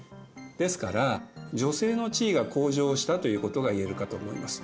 ですから女性の地位が向上したということがいえるかと思います。